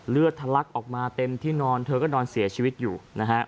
ทะลักออกมาเต็มที่นอนเธอก็นอนเสียชีวิตอยู่นะฮะ